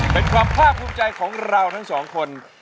เป็นความภาคภูมิใจของเราทั้งสองคน